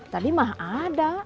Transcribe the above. tadi mah ada